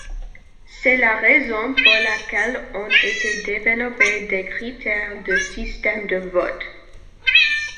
C'est la raison pour laquelle ont été développés des critères de systèmes de vote.